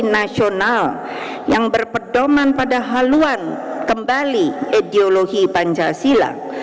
nasional yang berpedoman pada haluan kembali ideologi pancasila